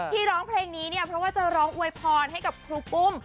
ร้องเพลงนี้เนี่ยเพราะว่าจะร้องอวยพรให้กับครูปุ้ม